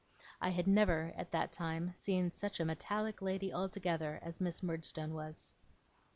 I had never, at that time, seen such a metallic lady altogether as Miss Murdstone was.